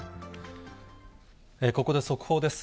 ここで速報です。